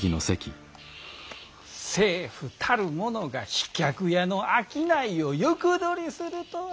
政府たるものが飛脚屋の商いを横取りするとは。